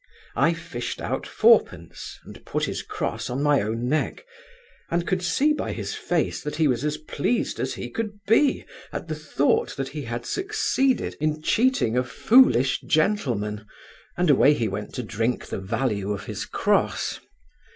I fished out fourpence, and put his cross on my own neck, and I could see by his face that he was as pleased as he could be at the thought that he had succeeded in cheating a foolish gentleman, and away he went to drink the value of his cross.